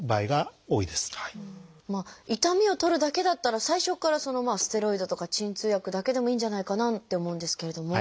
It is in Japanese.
痛みを取るだけだったら最初からステロイドとか鎮痛薬だけでもいいんじゃないかなって思うんですけれども。